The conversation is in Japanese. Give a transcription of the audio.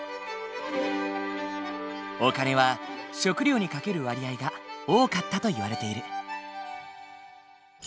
お金は食料にかける割合が多かったといわれている。